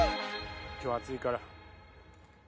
今日暑いから。